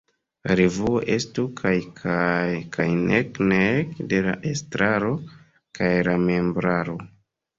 La revuo estu kaj-kaj, kaj nek-nek de la estraro kaj la membraro.